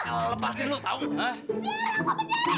biar aku pencari